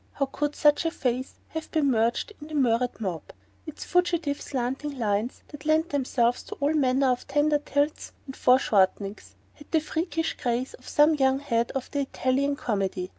How could such a face have been merged in the Murrett mob? Its fugitive slanting lines, that lent themselves to all manner of tender tilts and foreshortenings, had the freakish grace of some young head of the Italian comedy.